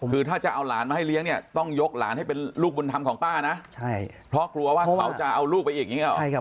คือถ้าจะเอาหลานมาให้เลี้ยงต้องยกหลานให้เป็นลูกบุญธรรมของป้านะ